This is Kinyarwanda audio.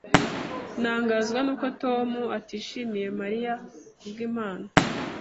Ntangazwa nuko Tom atashimiye Mariya kubwimpano.